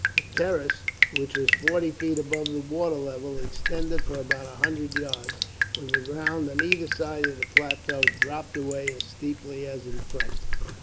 The terrace, which was forty feet above the water level, extended for about a hundred yards, when the ground on either side of the plateau dropped away, as steeply as in front.